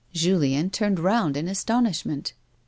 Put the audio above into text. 91 Julien turned roxmd in astonishment.